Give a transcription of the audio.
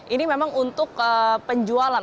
ini memang untuk penjualan